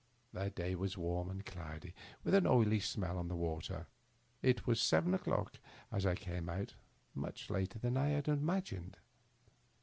The day was warm and cloudy, with an oily smeU on the water. It was seven o'clock as I came out — ^much later than I had imagined.